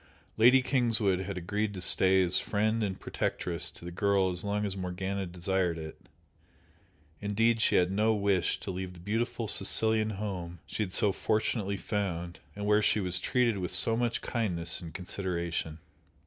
Lady Kingswood had agreed to stay as friend and protectress to the girl as long as Morgana desired it, indeed she had no wish to leave the beautiful Sicilian home she had so fortunately found, and where she was treated with so much kindness and consideration.